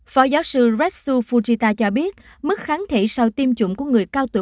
phó giáo sư restsu fujita cho biết mức kháng thể sau tiêm chủng của người cao tuổi